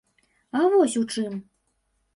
А вось у чым.